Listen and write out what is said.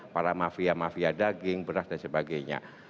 para mafia mafia daging beras dan sebagainya